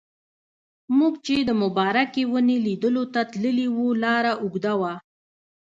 موږ چې د مبارکې ونې لیدلو ته تللي وو لاره اوږده وه.